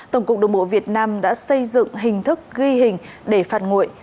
tổng cục đồng bộ việt nam đã xây dựng hình thức ghi hình để phạt nguội